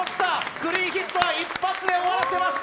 クリーンヒットは一発で終わらせました。